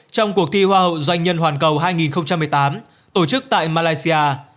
trong cuộc thi hoa hậu doanh nhân toàn cầu hai nghìn một mươi tám tổ chức tại malaysia